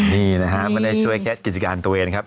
นี่แหละครับมันได้ช่วยแค่กิจการตัวเองครับ